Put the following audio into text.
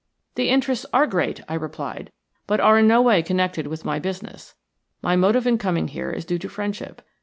" "The interests are great," I replied, "but are in no way connected with my business. My motive in coming here is due to friendship.